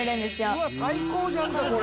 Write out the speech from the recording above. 「うわっ最高じゃんかこれ！」